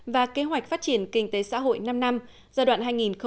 và kế hoạch phát triển kinh tế xã hội năm năm giai đoạn hai nghìn một mươi sáu hai nghìn hai mươi